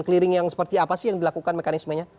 clearing yang seperti apa sih yang dilakukan mekanismenya